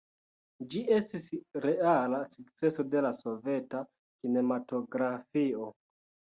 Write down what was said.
Ĝi estis reala sukceso de la soveta kinematografio.